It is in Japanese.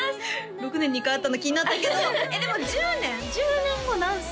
６年２回あったの気になったけどでも１０年１０年後何歳？